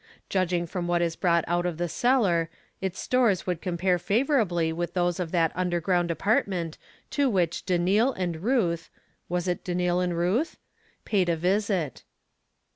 Judging from what is brought out of the cellar, its stores would compare favorably with those of that under ground apartment to which Danil and Ruth (was it Danil and Ruth ?) paid a visit.